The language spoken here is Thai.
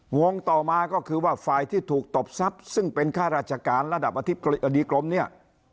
งงต่อมาก็คือว่าฝ่ายที่ถูกตบทรัพย์ซึ่งเป็นข้าราชการระดับอธิบดีกรมเนี่ย